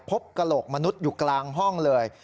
กระโหลกมนุษย์อยู่กลางห้องเลย